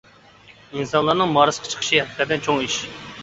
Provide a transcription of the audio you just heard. ئىنسانلارنىڭ مارسقا چىقىشى ھەقىقەتەن چوڭ ئىش.